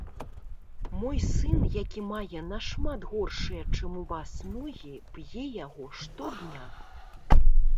Мой сын, які мае нашмат горшыя чым у вас ногі, п'е яго штодня.